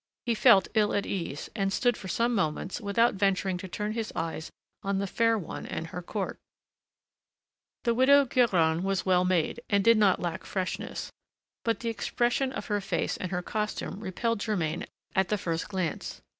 He felt ill at ease, and stood for some moments without venturing to turn his eyes on the fair one and her court. The Widow Guérin was well made, and did not lack freshness. But the expression of her face and her costume repelled Germain at the first glance.